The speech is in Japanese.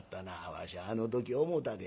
わしゃあの時思たで。